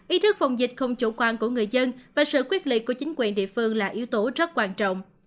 ý thức phòng dịch không chủ quan của người dân và sự quyết liệt của chính quyền địa phương là yếu tố rất quan trọng